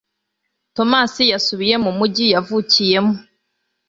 thomas yasubiye mu mujyi yavukiyemo